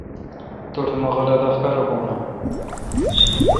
توٹھ مہ غلط احکارہ بھون اؘ۔